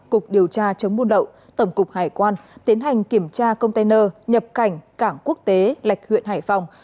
cục điều tra chống buôn lậu tổng cục hải quan tiến hành kiểm tra container nhập cảnh cảng quốc tế lạch huyện hải phòng